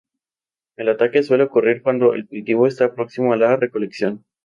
El ataque suele ocurrir cuando el cultivo está próximo a la recolección.